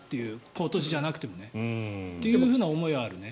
今年じゃなくてもっていう思いはあるね。